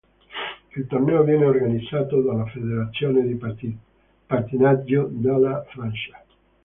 Il torneo viene organizzato dalla Federazione di pattinaggio della Francia.